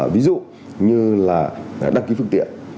ví dụ như là đăng ký phương tiện